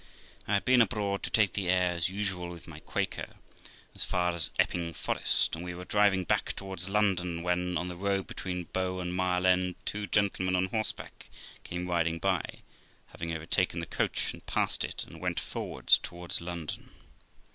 I had been abroad, to take the air as usual with my Quaker, as far as Epping Forest, and we were driving back towards London, when, on the road between Bow and Mile End, two gentlemen on horseback came riding by, having overtaken the coach and passed it, and went forwards towards London.